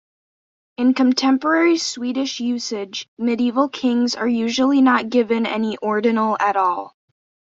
In contemporary Swedish usage, medieval kings are usually not given any ordinal at all.